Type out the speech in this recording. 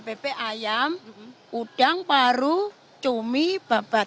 bebek ayam udang paru cumi babat